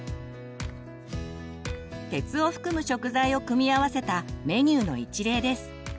鉄を含む食材を組み合わせたメニューの一例です。